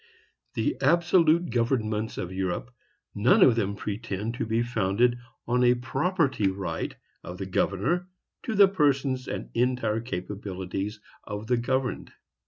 The absolute governments of Europe none of them pretend to be founded on a property right of the governor to the persons and entire capabilities of the governed.